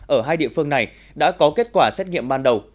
ở hai địa phương này đã có kết quả xét nghiệm ban đầu